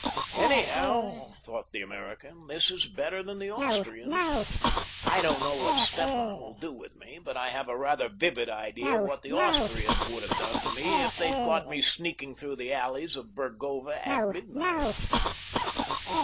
"Anyhow," thought the American, "this is better than the Austrians. I don't know what Stefan will do with me, but I have a rather vivid idea of what the Austrians would have done to me if they'd caught me sneaking through the alleys of Burgova at midnight."